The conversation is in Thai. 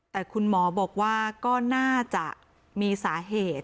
แต่คุณหมอบอกว่าก็น่าจะมีสาเหตุ